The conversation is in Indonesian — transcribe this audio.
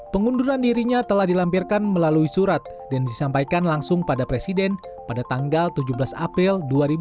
pengunduran dirinya telah dilampirkan melalui surat dan disampaikan langsung pada presiden pada tanggal tujuh belas april dua ribu dua puluh